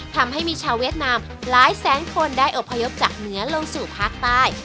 ทำให้มีชาวเวียดนามหลายแสนคนได้อบพยพจากเหนือลงสู่ภาคใต้